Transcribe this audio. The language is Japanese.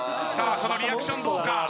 さあそのリアクションどうか？